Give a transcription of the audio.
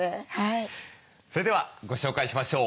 それではご紹介しましょう。